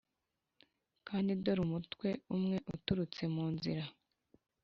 kandi dore umutwe umwe uturutse mu nzira